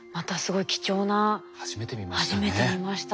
初めて見ましたね。